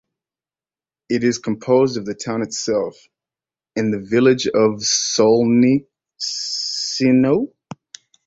It is composed of the town itself, and the village of "Solnecinoe".